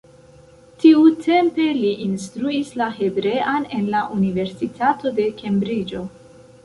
Tiutempe li instruis la hebrean en la Universitato de Kembriĝo.